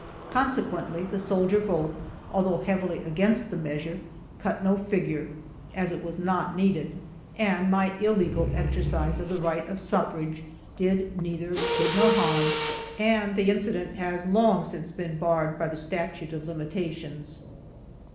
Consequently the soldier vote (although heavily against the measure) cut no figure, as it was not needed, and my illegal exercise of the right of suffrage did neither good nor harm; and the incident has long since been barred by the statute of limitations.